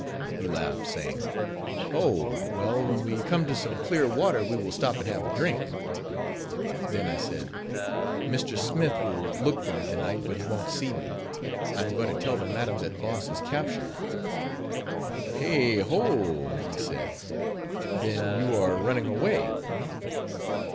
He laughed, saying: "Oh, well, when we come to some clear water we will stop and have a drink." Then I said: "Mr. Smith will look for me tonight, but he wont see me. I am going to tell the madam that Boss is captured." "Hey, ho!" he said, "then you are running away.